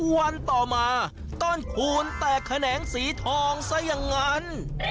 วันต่อมาต้นคูณแตกแขนงสีทองซะอย่างนั้น